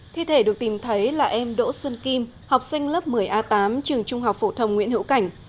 thi thể được tìm thấy là em đỗ xuân kim học sinh lớp một mươi a tám trường trung học phổ thông nguyễn hữu cảnh